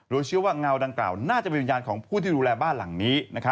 โดยเชื่อว่าเงาดังกล่าวน่าจะเป็นวิญญาณของผู้ที่ดูแลบ้านหลังนี้